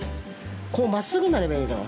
こうまっすぐになればいいから。